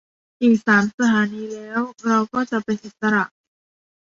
อีกสามสถานีแล้วเราก็จะเป็นอิสระ